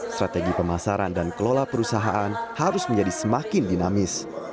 strategi pemasaran dan kelola perusahaan harus menjadi semakin dinamis